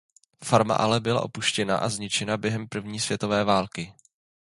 Farma ale byla opuštěna a zničena během první světové války.